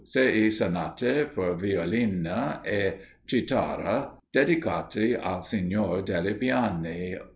"Sei Sonate per Violino e Chitarra, dedicati al Signor delle Piane."